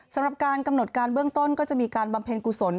สำหรับการกำหนดการเบื้องต้นก็จะมีการบำเพ็ญกุศล